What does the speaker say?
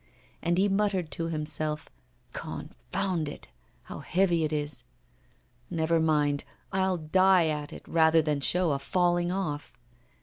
And he muttered to himself: 'Confound it! how heavy it is! Never mind, I'll die at it rather than show a falling off.